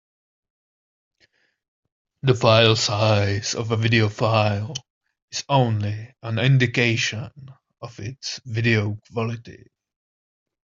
The filesize of a video file is only an indication of its video quality.